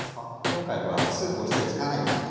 今回はスープを一切使わないんですよ。